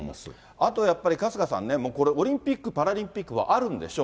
あとやっぱり、春日さんね、これ、オリンピック・パラリンピックはあるんでしょう。